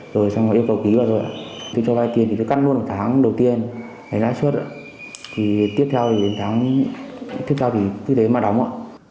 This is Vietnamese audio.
rồi xong rồi yêu cầu ký vào rồi ạ thì cho vai tiền thì cứ cắt luôn một tháng đầu tiên lấy lãi suất ạ thì tiếp theo thì đến tháng tiếp theo thì cứ thế mà đóng ạ